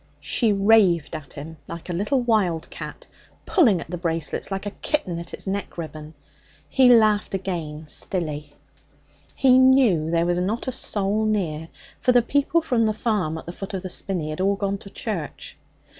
She raved at him like a little wild cat, pulling at the bracelets like a kitten at its neck ribbon. He laughed again, stilly. He knew there was not a soul near, for the people from the farm at the foot of the spinney had all gone to church.